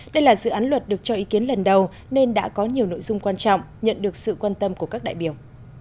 đây là dự án luật được cho ý kiến lần đầu nên đã có nhiều nội dung quan trọng nhận được sự quan tâm của các đại biểu